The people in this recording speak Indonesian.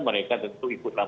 mereka tentu ikutlah